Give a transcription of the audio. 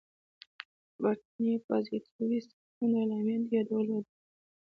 د برټانیې پازیټویسټ ګوند اعلامیه د یادولو ده.